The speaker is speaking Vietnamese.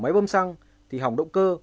máy bơm xăng thì hỏng động cơ